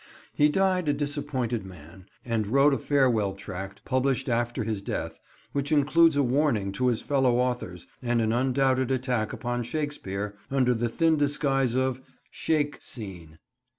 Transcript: He died a disappointed man, and wrote a farewell tract, published after his death, which includes a warning to his fellow authors and an undoubted attack upon Shakespeare, under the thin disguise of "Shake scene."